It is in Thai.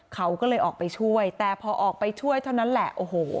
เขาก็เลยออกไปช่วยแต่พอออกไปช่วยเท่านั้นแหละโอ้โห